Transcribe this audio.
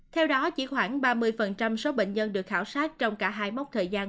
theo đó chỉ khoảng ba mươi số bệnh nhân được khảo sát trong cả hai mốc thời gian